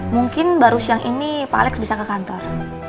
mungkin baru siang ini pak alex bisa ke kantor